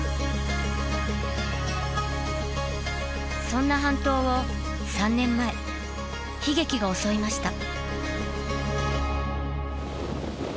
そんな半島を３年前悲劇が襲いました。